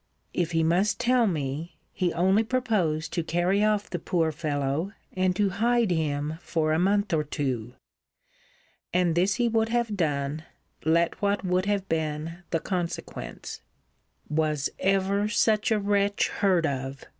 If he must tell me, he only proposed to carry off the poor fellow, and to hide him for a month or two. And this he would have done, let what would have been the consequence. Was ever such a wretch heard of!